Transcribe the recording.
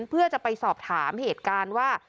เพื่อจะไปสอบถามเหตุการณ์ว่า